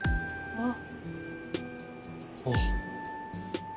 あっ。